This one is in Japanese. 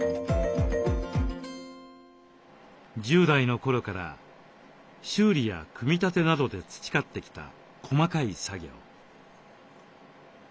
１０代の頃から修理や組み立てなどで培ってきた細かい作業。